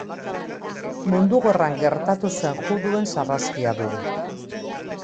Mundu Gerran gertatu zen juduen sarraskia dugu.